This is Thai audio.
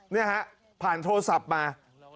นี่ฮะผ่านโทรศัพท์มา